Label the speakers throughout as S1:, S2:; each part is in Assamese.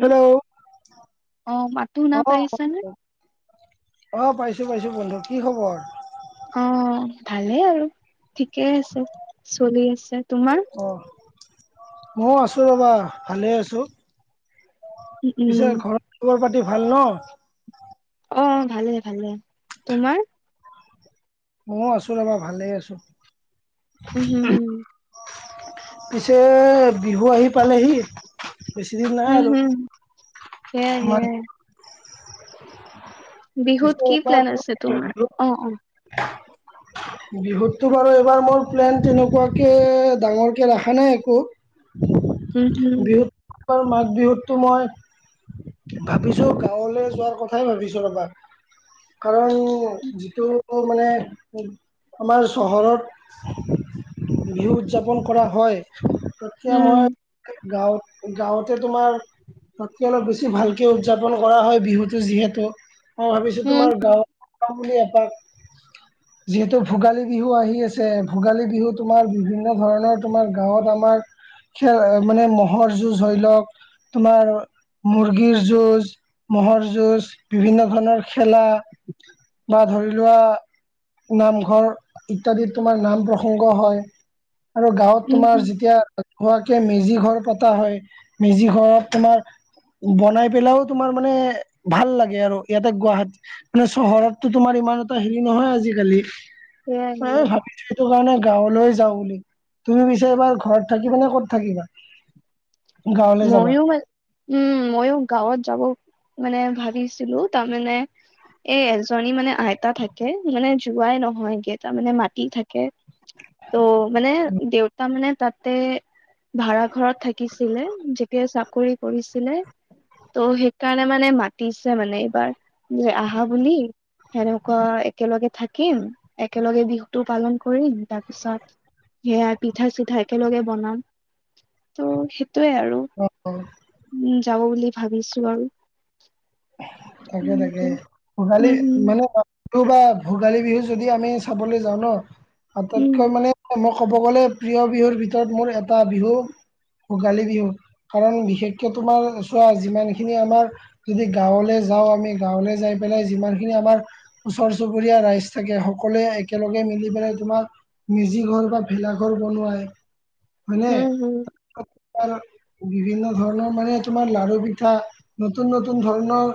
S1: হেল্ল!
S2: অ মাতো শুনা
S1: অঁ, হয়
S2: পাইছানে?
S1: কোৱা? অঁ, পাইছোঁ পাইছোঁ বন্ধু, কি খবৰ?
S2: অঁ, ভালেই আৰু, ঠিকেই আছে, চলি আছে। তোমাৰ?
S1: অঁ, মও আছোঁ ৰ'বা! ভালে আছোঁ।
S2: উম
S1: পিছে
S2: উম
S1: ঘৰত খবৰ-পাতি ভাল ন'?
S2: অঁঅ, ভালে ভালে। তোমাৰ?
S1: মও আছোঁ ৰ'বা! ভালেই আছোঁ।
S2: উম হুম হুম
S1: পিছে বিহু আহি পালেহি। বেছি দিন নাই
S2: হুম
S1: আৰু।
S2: হুম সেয়াই
S1: তোমাৰ
S2: সেয়াই।
S1: পিছে
S2: বিহুত কি
S1: এইবাৰ
S2: প্লেন আছে তোমাৰ? অঁ, অঁ।
S1: বিহুতো বাৰু এইবাৰ মোৰ প্লেন তেনেকুৱাকে ডাঙৰকে ৰখা নাই একো।
S2: উম হুম
S1: বিহুত বাৰু মাঘ বিহুতটো মই ভাবিছোঁ, গাঁৱলে যোৱা কথাই ভাবিছো ৰ'বা! কাৰণ যিটো মানে ওঁ আমাৰ চহৰত বিহু উদযাপন কৰা হয় সেয়া
S2: উম
S1: মই গাঁৱত গাঁৱতে তোমাৰ তাতকৈ অলপ বেছি ভালকে উদযাপন কৰা হয় বিহুতটো যিহেতু মই ভাবিছো
S2: উম
S1: তোমাৰ গাঁৱ বুলি এপাক
S2: উ
S1: যিহেতু ভোগালী বিহু আহি আছে ভোগালী বিহু তোমাৰ বিভিন্ন ধৰণৰ তোমাৰ গাঁৱত আমাৰ খেল মানে ম'হৰ যুঁজ ধৰি লওক তোমাৰ মুৰ্গীৰ যুজ ম'হৰ যুঁজ বিভিন্ন ধৰণৰ খেলা বা ধৰি লোৱা নামঘৰ ইত্যাদিত তোমাৰ নাম প্ৰসংগ হয় আৰু গাঁৱত
S2: উম
S1: তোমাৰ
S2: হুম
S1: যেতিয়া ধুৱাকে মেজি ঘৰ পতা হয় মেজি ঘৰত তোমাৰ বনাই পেলাইও তোমাৰ মানে ভাল লাগে আৰু ইয়াতে গুৱাহাটী মানে চহৰতো তোমাৰ ইমান এটা হেৰি নহয় আজিকালি
S2: সেয়াই
S1: এ
S2: সেয়াই।
S1: ভাবিছো সেইটো কাৰণে গাঁৱলৈ যাওঁ বুলি তুমি পিছে এইবাৰ ঘৰত থাকিবা নে ক'ত থাকিবা গাঁৱলে যাবা
S2: ময়ো ম উম মইয়ো গাঁৱত যাব মানে ভাবিছিলো তাৰ মানে এ এজনী মানে আইতা থাকে মানে যোৱাই নহয় গেই তাৰ মানে মাতি থাকে ত' মানে দেউতা মানে তাতে ভাৰা ঘৰত থাকিছিলে যেতিয়া চাকৰি কৰিছিলে তো সেইকাৰণে মানে মাতিছে মানে এইবাৰ তুমি আহা বুলি সেনেকুৱা একেলগে থাকিম একেলগে বিহুতটো পালন কৰিম তাৰপিছত সেয়া পিঠা চিঠা একেলগে বনাম তো সেইটোয়ে আৰু
S1: ও ও
S2: উম যাব বুলি ভাবিছোঁ আৰু
S1: তাকে
S2: উম
S1: তাকে
S2: উম
S1: ভোগালী মানে বিহু বা ভোগালী বিহু যদি আমি চাবলৈ যাওঁ ন
S2: উম
S1: আটাইতকৈ মানে মই ক'ব গ'লে প্ৰিয় বিহুৰ ভিতৰত মোৰ এটা বিহু ভোগালী বিহু কাৰণ বিশেষকে তোমাৰ চোৱা যিমানখিনি আমাৰ যদি গাঁৱলৈ যাওঁ আমি গাঁৱলৈ যাই পেলাই যিমানখিনি আমাৰ ওচৰ চুবুৰীয়া ৰাইজ থাকে সকলোৱে একেলগে মিলি পেলাই তোমাক মেজি ঘৰ বা ভেলাঘৰ বনোৱাই হয়নে
S2: উম উম
S1: বিভিন্ন ধৰণৰ মানে তোমাৰ লাৰু পিঠা নতুন নতুন নতুন ধৰণৰ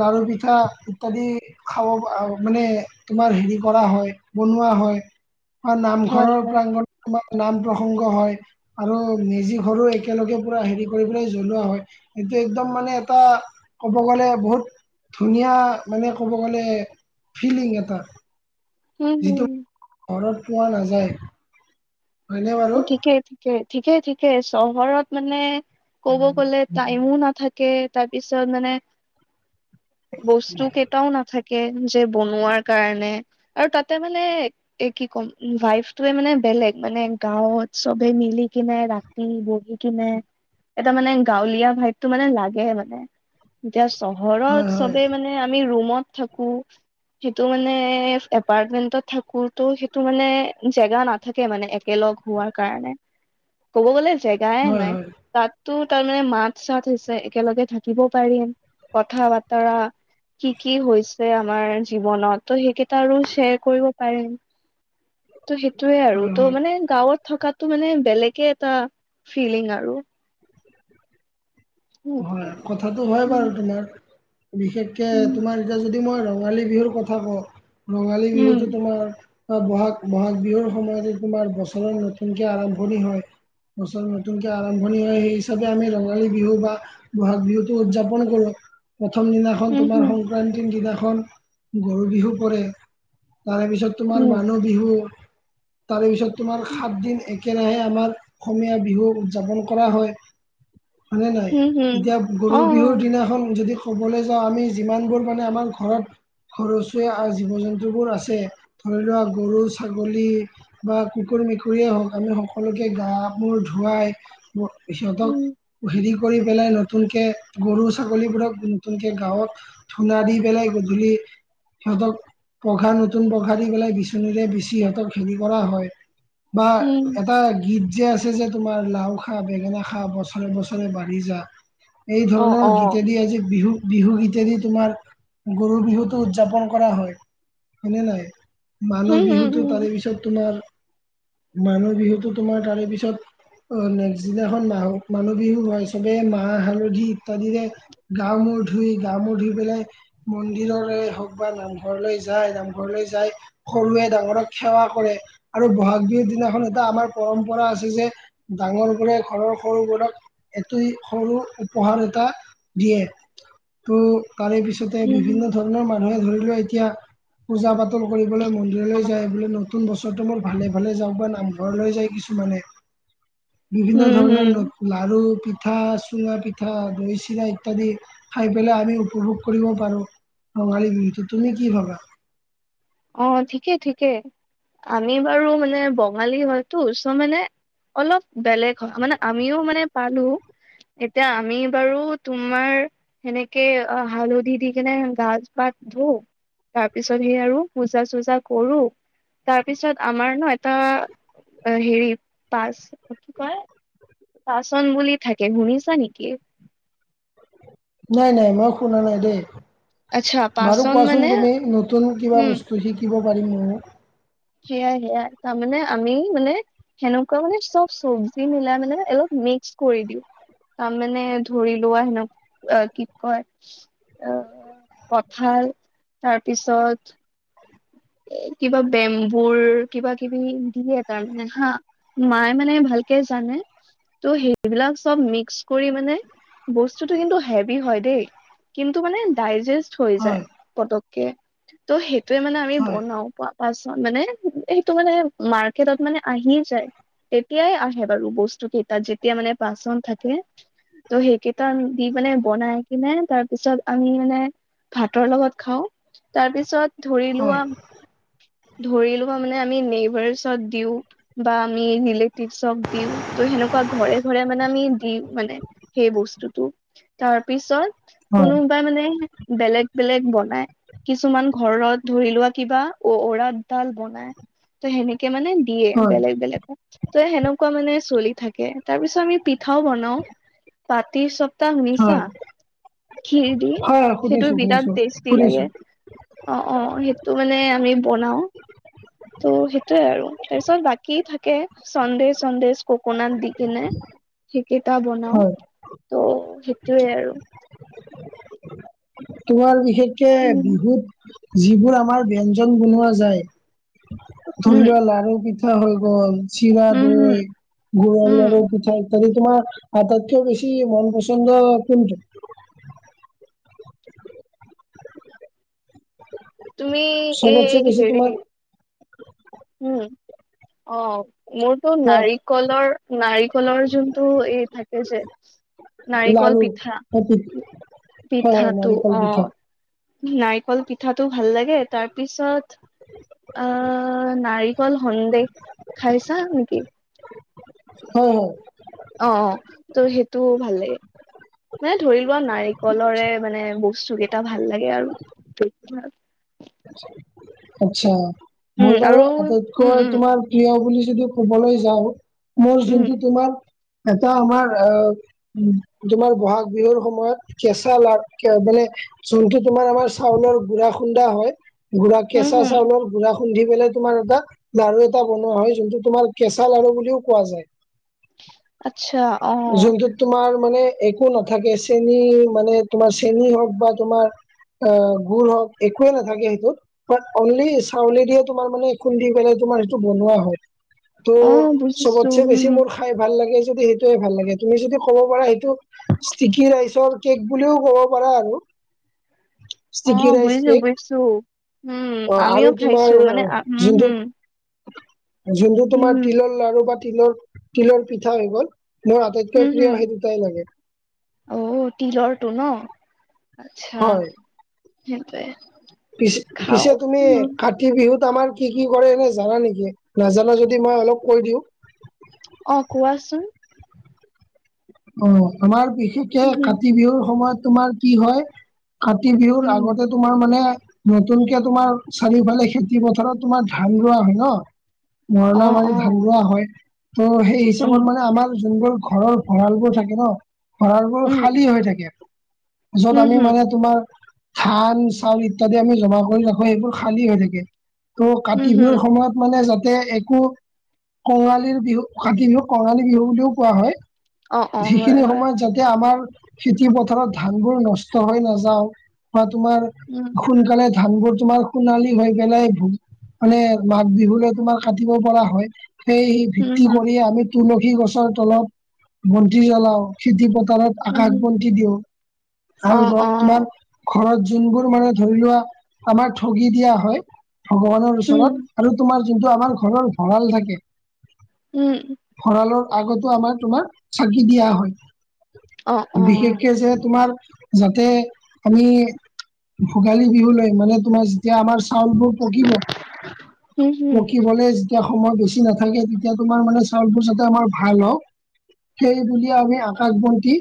S1: লাৰু পিঠা ইত্যাদি খাব মানে তোমাৰ হেৰি কৰা হয় বনোৱা হয় বা
S2: হয়
S1: নামঘৰৰ
S2: হয়
S1: প্ৰাংগণ তোমাৰ নাম প্ৰসংগ হয় আৰু মেজি সৰু একেলগে পুৰা হেৰি কৰি পেলাই জ্বলোৱা হয় সটো একদম মানে এটা ক'ব গ'লে বহুত ধুনীয়া মানে ক'ব গ'লে ফিলিং এটা
S2: উম
S1: যিটো
S2: উম
S1: ঘৰত পোৱা নাযায় হয়নে বাৰু
S2: ঠিকেই ঠিকেই ঠিকে ঠিকে চহৰত মানে ক'ব গ'লে টাইমো নাথাকে তাৰপিছত মানে বস্তু কেইটাও নাথাকে যে বনোৱাৰ কাৰণে আৰু তাতে মানে এ কি ক'ম ভাইফটোয়ে মানে বেলেগ মানে গাঁৱত চবে মিলি কিনে ৰাতি বহি কিনে এটা মানে গাঁৱলীয়া ভাইফটো মানে লাগে মানে এতিয়া
S1: হয়
S2: চহৰত চবে
S1: হয়
S2: মানে এ আমি ৰুমত থাকোঁ। সেইটো মানে এপাৰ্টমেন্টত থাকোতো সেইটো মানে জেগা নাথাকে মানে। একেলগ হোৱাৰ কাৰণে, ক'ব গ'লে জেগাই
S1: হয়
S2: নাই
S1: হয়
S2: তাত টো তাৰ মানে মাত চাত হৈছে একেলগে থাকিব পাৰিম কথা বতৰা কি কি হৈছে আমাৰ জীৱনত ত' সেইকেইটা আৰু শ্বেয়াৰ কৰিব পাৰিম। ত' সেইটোয়ে আৰু
S1: হয়
S2: ত'
S1: হয়
S2: মানে গাঁওত থকটো মানে বেলেগে এটা ফিলিং আৰু। উম
S1: হয় কথাটো হয় বাৰু
S2: উম
S1: তোমাৰ বিশেষকে তোমাৰ এতিয়া যদি মই ৰ ঙালী বিহুৰ কথা কওঁ ৰঙালী
S2: উম
S1: বিহুতটো তোমাৰ বা বহাগ বহাগ বিহুৰ সময়তে তোমাৰ বছৰৰ নতুনকে আৰম্ভণি হয়। বছৰ নতুনকৈ আৰম্ভণি হয় সেই হিচাপে আমি ৰঙালী বিহু বা বহাগ বিহুটো উদযাপন কৰো। প্ৰথম দিনাখন
S2: উম
S1: তোমাৰ
S2: হুম
S1: সংক্ৰান্তিৰ দিনাখন গৰু বিহু পৰে তাৰে পিছত তোমাৰ
S2: উম
S1: মানুহ বিহু, তাৰে পিছত তোমাৰ সাতদিন একেৰাহে আমাৰ অসমীয়া বিহু উদযাপন কৰা হয়। হয় নে নাই
S2: হুম হুম
S1: এতিয়া গৰু
S2: অ
S1: বিহুৰ দিনাখন যদি ক'বলৈ যাওঁ আমি যিমানবোৰ মানে আমাৰ ঘৰত ঘৰচিয়া আৰু জীৱ জন্তুবোৰ আছে ধৰি লোৱা গৰু, ছাগলী বা কুকুৰ মেকুৰীয়ে হওঁক আমি সকলোকে গা মূৰ ধুৱাই
S2: উম
S1: সিহঁতক হেৰি কৰি পেলাই নতুনকে গৰু ছাগলীবোৰক নতুনকে গাঁওত ধূনা দি পেলাই গধূলি সিহঁতক পঘা নতুন পঘা দি পেলাই বিচনীৰে বিচি সিহঁতক হেৰি কৰা হয়। বা
S2: হুম
S1: এটা গীত গীত যে আছে যে তোমাৰ লাওঁ খা বেঙেনা খা বছৰে বছৰে বাঢ়ি যা। এই
S2: অ
S1: ধৰণৰ
S2: অ
S1: গীতেদি আজি বিহু বিহু গীতেদি তোমাৰ গৰু বিহুটো উদযাপন কৰা হয়, হয় নে নাই? মানুহ
S2: হুম হুম
S1: বিহুতো
S2: হুম
S1: তাৰে পিছত তোমাৰ মানুহ বিহুতো তোমাৰ তাৰে পিছত অ' নেক্সট দিনাখন মাহু মানুহ বিহু হয়, চবে মা মাহ, হালধি ইত্যাদিৰে গা মূৰ ধুই গা মূৰ ধুই পেলাই মন্দিৰৰে হওক বা নামঘৰলৈ যায়, নামঘৰলৈ যায়। সৰুৱে ডাঙৰক সেৱা কৰে, আৰু বহাগ বিহুৰ দিনাখন এটা আমাৰ পৰম্পৰা আছে যে ডাঙৰ বোৰে ঘৰৰ সৰুবোৰক এটি সৰুক উপহাৰ এটা দিয়ে, তো তাৰে পিছতে
S2: উম
S1: বিভিন্ন ধৰ নৰ মানুহে ধৰি লোৱা এতিয়া পূজা পাতল কৰিবলৈ
S2: হুম
S1: মন্দিৰলৈ যায় বুলি নতুন বছৰটো মোৰ ভালে ভালে যাওঁক বা নামঘৰলৈ যায় কিছুমানে। বিভিন্ন
S2: হুম হুম
S1: ধৰণৰ ন লাৰু, পি ঠা চুঙা পিঠা দৈ চিৰা ইত্যাদি খাই পেলাই আমি উপভোগ কৰিব পাৰোঁ। ৰঙালী বিহুটো, তুমি কি ভাবা?
S2: অঁ ঠিকেই ঠিকেই আমি বাৰু মানে বঙালী হয়তো চ' মানে অলপ বেলেগ হয়, মানে আমিও মানে পালো এতিয়া আমি বাৰু তোমাৰ সেনেকে অ হালধি দি কেনে গা পা ধোও তাৰ পিছত সেই আৰু পূজা চূজা কৰো তাৰপিছত আমাৰ ন এটা হেৰি পাচ কি কয় পাচন বুলি থাকে। শুনিছা নেকি?
S1: নাই নাই, মই শুনা নাই দেই।
S2: আচ্ছা
S1: বাৰু
S2: পাচন
S1: কোৱা
S2: মানে
S1: চোন তুমি নতুন কিবা
S2: উম
S1: বস্তু শিকিব পাৰিম [unintelligible]
S2: সেয়াই-সেয়াই। তাৰমানে আমি মানে [inaudible] সেনেকুৱা মানে চব চব্জি মিলাই মানে অলপ মিক্স কৰি দিওঁ। [unintelligible] তাৰ মানে ধৰি লোৱা হেনক [inaudible] অ কি কয়? অ! কঠাল তাৰপিছত [inaudible] এ কিবা বেম্বুৰ কিবাকিবি দিয়ে তাৰমানে হা? [inaudible] মায়ে মানে ভালকে জানে ত' সেইবিলাক চব মিক্স [inaudible] কৰি মানে বস্তুটো কিন্তু হেভী হয় দেই কিন্তু মানে ডাইজেষ্ট [inaudible] হৈ যায়
S1: হয়
S2: পটককে। ত' সেইটোৱে মানে আ [unintelligible]
S1: হয়
S2: বনাও [inaudible] পাঁচ মানে এইটো মানে মাৰ্কেটত মানে আহিয়ে যায়। তেতিয়াই আহে বাৰু বস্তুকেইটা যেতিয়া মানে পাচন থাকে। [inaudible] ত' সেইকেইটা দি মানে বনাই। [inaudible] কিনে তাৰ পিছত আমি মানে ভাতৰ লগত খাওঁ। তাৰপিছত ধৰি
S1: হয়
S2: লোৱা [inaudible] ধৰি লোৱা মানে আমি নেইবাৰছত দিওঁ। [inaudible] বা আমি ৰিলেটিভছক দিওঁ। ত সেনেকুৱা ঘৰে-ঘৰে মানে আমি দিওঁ মানে। [inaudible] সেই বস্তুটো তাৰ পিছত [inaudible]
S1: হয়
S2: কোনোবাই মানে বেলেগ-বেলেগ বনাই। কিছুমান ঘৰত ধৰি লোৱা [inaudible] কিবা অ [unintelligible] দাল বনাই। ত সেনেকে মানে দিয়ে
S1: হয়
S2: বেলেগ-বেলেগকো। [inaudible] ত সেনেকুৱা মানে চলি থাকে। তাৰ পিছত আমি পিঠাও বনাও পাতি চপ [unintelligible] পটা শুনিছা?
S1: হয়
S2: খীৰ দি
S1: হয় হয়
S2: সেইটো
S1: শুনিছো শুনিছো
S2: বিৰাট টেষ্টি
S1: শুনিছো
S2: লাগে। [inaudible] অঁ-অঁ! সেইটো মানে আমি বনাও। [inaudible] ত' সেইটোৱেই আৰু তাৰপিছত বাকী থাকে। [inaudible] সন্দেশ-সন্দেশ ককোনাত দি কেনে [inaudible] সেইকেইটা বনাও
S1: হয়
S2: ত' সেইটোৱেই আৰু। [inaudible]
S1: তোমাৰ বিশেষকে
S2: উম
S1: বিহুত যিবোৰ আমাৰ ব্যঞ্জন বনোৱা যায়। [inaudible] [inaudible] ধৰি
S2: উম
S1: লোৱা লাৰু পিঠা হৈ গ'ল। চিৰা,
S2: উম হম
S1: দৈ, গুৰৰ
S2: উম
S1: লাৰু, পিঠা [inaudible] যদি তোমাৰ আটাইতকৈ বেছি মন পচন্দৰ কোনটো? [unintelligible]
S2: তুমি
S1: চবতছে
S2: এই
S1: বেছি
S2: হেৰি
S1: তোমাৰ
S2: [inaudible] উম! অঁ! মোৰতো
S1: কোৱা
S2: নাৰীক [inaudible] কলৰ নাৰিকলৰ যোনটো এই থাকে যে [inaudible] নাৰিকল
S1: লাৰু
S2: পিঠা।
S1: হয় হয়
S2: পিঠাটো
S1: নাৰিকল
S2: অঁ।
S1: পিঠা
S2: [inaudible] নাৰিকল পিঠাটো ভাল লাগে। তাৰ পিছত [unintelligible] আহ! নাৰিকল সন্দেহ খাইছা নেকি? [inaudible]
S1: হয়-হয়। [inaudible]
S2: অঁ-অঁ! ত' সেইটোও ভাল লাগে। [inaudible] মানে ধৰি লোৱা আৰু নাৰিকলৰে মানে বস্তুকেইটা ভাল লাগে আৰু। [unintelligible]
S1: আতছা! মোৰ
S2: উম
S1: বাৰু
S2: আৰু উম
S1: আটাইতকৈ
S2: উম
S1: তোমাৰ [inaudible] প্ৰিয় বুলি যদি কবলৈ যাওঁ মোৰ
S2: উম
S1: যোনটো তোমাৰ এটা আমাৰ [unintelligible] উম! তোমাৰ বহাগ বিহুৰ সময়ত কেঁচা [unintelligible] মানে [inaudible] যোনটো তোমাৰ আমাৰ চাউলৰ গুড়া খুন্দা হয়। গুড়া
S2: উম
S1: কেঁচা
S2: হম
S1: চাউলৰ [inaudible] গুড়া খুন্দি পেলাই তোমাৰ এটা [unintelligible] লাৰু এটা বনোৱা হয় যোনটো তোমাৰ কেঁচা লাৰু বুলিও কোৱা যায়। [inaudible]
S2: আতচ্ছা! অঁ! [inaudible]
S1: যোনটোত তোমাৰ মানে একো নাথাকে চেনী মানে তোমাৰ চেনী হওক বা তোমাৰ [unintelligible] অ, গুৰ হওক একোৱে নাথাকে সেইটোত বাত, অনলি চাউলে দিয়ে তোমাৰ মানে খুন্দি পেলাই তোমাৰ সেইটো বনোৱা হয়। তো
S2: অ বুজিছো
S1: চবতচে বেছি
S2: উম
S1: মোৰ খাই ভাল লাগে যদি সেইটোয়ে ভাল লাগে তুমি যদি ক'ব পাৰা সেইটো ষ্টিকি ৰাইচৰ কেক বুলিও ক'ব পাৰা আৰু ষ্টিকি ৰাইচ কেক
S2: ছো
S1: অ' আৰু তোমাৰ
S2: হম
S1: যোনটো
S2: হম
S1: যোনটো
S2: হম
S1: তোমাৰ
S2: হম
S1: তিলৰ লাৰু বা তিলৰ-তিলৰ পিঠা হৈ গ'ল মোৰ
S2: হম
S1: আটাইতকৈ
S2: হম
S1: প্ৰিয় সেইটো দুটাই লাগে
S2: অ তিলৰটো ন? আচছা সেইটোৱে খাও
S1: পিছে-পিছে তুমি কা
S2: উম
S1: কাতি বিহুত আমাৰ কি কি কৰে এনে জানা নেকি? নাজানা যদি মই অলপ কৈ দিওঁ
S2: অ' কোৱাচোন
S1: অ আমাৰ বিশেষকে
S2: উম
S1: কাতি বিহুৰ সময়ত তোমাৰ কি হয় কাতি বিহুৰ
S2: উম
S1: আগতে তোমাৰ মানে নতুনকে তোমাৰ চাৰিওফালে খেতি পথাৰত তোমাৰ ধান ৰোৱা হয় ন
S2: অ
S1: মৰণা মাৰি
S2: অ
S1: ধান ৰোৱা হয় ত' সেই
S2: উম,
S1: হিচাপত মানে আমাৰ যোনবোৰ ঘৰত ভঁৰালবোৰ থাকে ন ভৰালবোৰ
S2: উম,
S1: খালী হৈ থাকে য'ত
S2: উম,
S1: আমি
S2: হুম,
S1: মানে তোমাৰ ধান, চাউল ইত্যাদি আমি জমা কৰি ৰাখো সেইবোৰ খালী হৈ থাকে ত'
S2: উম,
S1: কাতি
S2: হুম,
S1: বিহুৰ সময়ত মানে যাতে এ কু কঙালীৰ বিহু কাতি বিহুক কঙালী বিহু বুলিও কোৱা হয়।
S2: অ', অ', হয়,
S1: সিখিনি
S2: হয়,
S1: সময়ত যাতে আমাৰ খেতি পথাৰত ধানবোৰ নষ্ট হৈ নাযাও বা তোমাৰ
S2: উম'
S1: সোনকালে ধানবোৰ তোমাৰ সোণালী হৈ পেলাই মানে মাঘ বিহুলে তোমাৰ কাটিব পৰা হয় সেই
S2: হুম,
S1: ভিত্তি
S2: হুম,
S1: কৰি আমি তুলসী গছৰ তলত বন্তি জ্বলাও খেতি পথাৰত
S2: উম,
S1: আকাশ
S2: হুম,
S1: বন্তি দিও আৰু
S2: অ',
S1: ধৰক তোমাক
S2: অ',
S1: ঘৰত যোনবোৰ মানে ধৰি লোৱা আমাৰ ঠগি দিয়া হয় ভগৱানৰ
S2: হুম,
S1: ওচৰত আৰু তোমাৰ যোনটো আমাৰ ঘৰৰ ভঁৰাল থাকে
S2: উম'
S1: ভঁৰালৰ আগতো আমাৰ তোমাৰ চাকি দিয়া
S2: অ',
S1: হয়।
S2: অ',
S1: বিশেষকে যে তোমাৰ যাতে আমি ভোগালী বিহু লৈ মানে তোমাৰ এতিয়া আমাৰ চাউলবোৰ পকিব
S2: হুম, হুম,
S1: পকিবলে তেতিয়া সময় বেছি নাথাকে তেতিয়া তোমাৰ মানে চাউলবোৰ যাতে আমাৰ ভাল হওক সেই বুলিয়ে আমি আকাশ বন্তি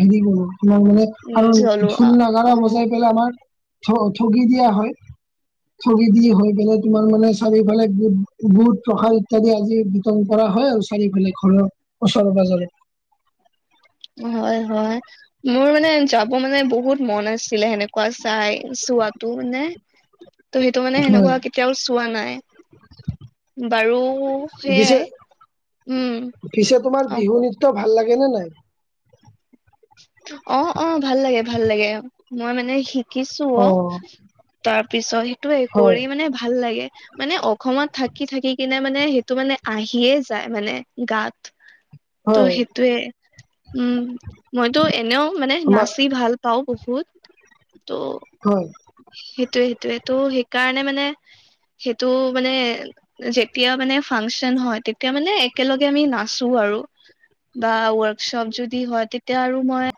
S1: হেৰি কৰো তোমাক মানে
S2: উম,
S1: আৰু
S2: জলোৱা
S1: ঢোল নাগাৰা
S2: অ',
S1: বজাই পেলাই আমাৰ ঠগি দিয়া হয়। ঠগি দি হৈ পেলাই তোমাৰ মানে চাৰিওফালে বুট বুট প্ৰসাদ ইত্যাদি আজি কৰা হয় আৰু চাৰিওফালে ঘৰৰ ওচৰে পাজৰে।
S2: হয় হয় মোৰ মানে যাব মানে বহুত মন আছিলে, সেনেকুৱা চাই চোৱাতো মানে ত' সেইটো মানে
S1: হয়
S2: সেনেকুৱা কেতিয়াও চোৱা নাই বাৰু
S1: পিছে
S2: সেইয়াই, উম
S1: পিছে তোমাৰ
S2: অ',
S1: বিহু
S2: কোৱা
S1: নৃত্য ভাল লাগে নে নাই?
S2: অ', অ', ভাল লাগে, ভাল লাগে। মই মানে শিকিছোঁ অ'। তাৰ পিছত সেইটোয়ে,
S1: হয়
S2: কৰি মানে ভাল লাগে। মানে অখমত থাকি-থাকি কিনে মানে সেইটো মানে আহিয়ে যায় মানে, গাত। ত'
S1: হয়,
S2: সেইটোয়ে, উম। মইতো এনেও মানে
S1: আমাৰ
S2: নাছি ভাল পাওঁ বহুত। ত'
S1: হয়।
S2: সেইটোয়ে সেইটোয়ে, তো সেইকাৰণে মানে, সেইটো মানে যেতিয়া মানে ফাংচন হয়, তেতিয়া মানে একেলগে আমি নাচো আৰু। বা ৱৰ্কশ্বপ যদি হয়, তেতিয়া আৰু মই